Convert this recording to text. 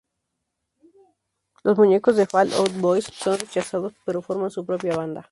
Los muñecos de Fall Out Boy son rechazados pero forman su propia banda.